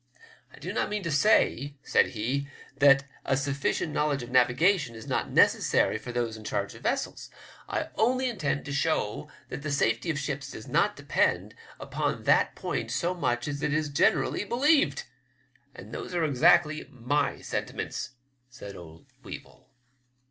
I do not mean to say,' said he, Uhat a sufficient knowledge of navigation is not necessary for those in charge of vessels. I only intend to show that the safety of ships does not depend upon that point so much as is generally believed ;' and those are exactly my sentiments," said old Weevil.